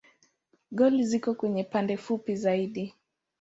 Goli ziko kwenye pande fupi zaidi.